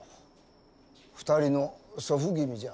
２人の祖父君じゃ。